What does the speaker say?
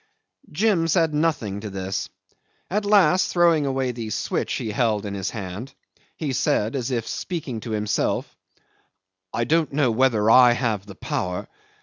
'Jim said nothing to this. At last, throwing away the switch he held in his hand, he said, as if speaking to himself, "I don't know whether I have the power."